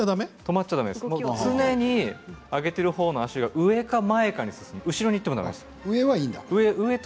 常に上げているほうの足が上か前かに進んで後ろにいってもだめです。